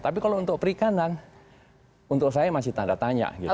tapi kalau untuk perikanan untuk saya masih tanda tanya